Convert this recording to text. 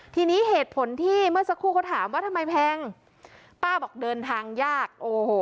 ทีนี้เหตุผลที่เมื่อสักครู่เขาถามว่าทำไมแพงป้าบอกเดินทางยากโอ้โห